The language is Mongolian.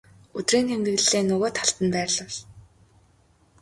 өдрийн тэмдэглэлээ нөгөө талд нь байрлуул.